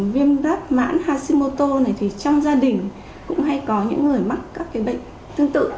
viêm giáp mạng hashimoto này thì trong gia đình cũng hay có những người mắc các bệnh tương tự